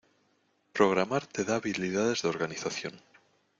Programar te da habiliades de organización.